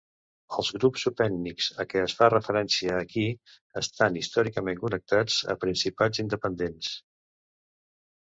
Els grups subètnics a què es fa referència aquí estan històricament connectats a principats independents.